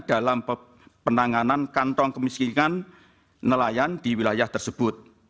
dalam penanganan kantong kemiskinan nelayan di wilayah tersebut